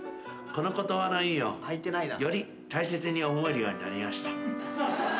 「この言葉の意味をより大切に思えるようになりました」